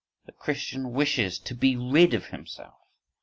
The Christian wishes to be rid of himself.